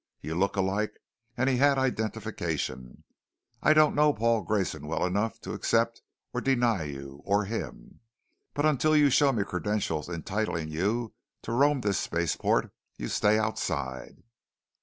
You look alike and he had identification. I don't know Paul Grayson well enough to accept or deny you or him. But until you show me credentials entitling you to roam this spaceport, you stay outside!"